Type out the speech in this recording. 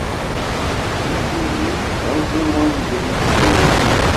Illu-iw, d aẓru anda i ttdariɣ.